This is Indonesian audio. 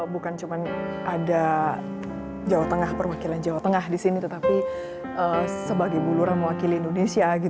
bukan cuma ada jawa tengah perwakilan jawa tengah di sini tetapi sebagai buluran mewakili indonesia